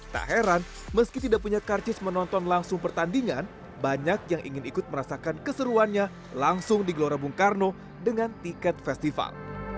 tak heran meski tidak punya karcis menonton langsung pertandingan banyak yang ingin ikut merasakan keseruannya langsung di gelora bung karno dengan tiket festival